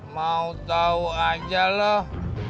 mau tau aja loh